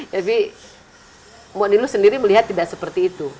tapi mbak nilus sendiri melihat tidak seperti itu